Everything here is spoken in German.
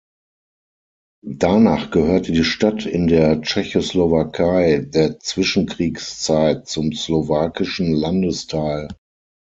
Danach gehörte die Stadt in der Tschechoslowakei der Zwischenkriegszeit zum slowakischen Landesteil.